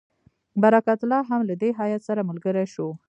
برکت الله هم له دې هیات سره ملګری شو.